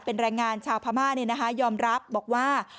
เป็นแรงงานชาวพะม่าเนี่ยนะคะยอมรับบอกว่า